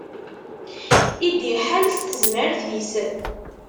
I d-iḥal s tezmert-is.